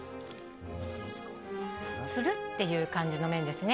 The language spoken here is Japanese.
つるっていう感じの麺ですね